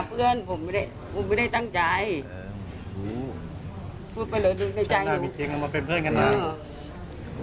ผมไม่ได้ตั้งใจพูดไปเลยในใจอยู่